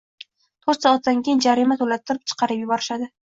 Toʻrt soatdan keyin jarima toʻlattirib, chiqarib yuborishadi.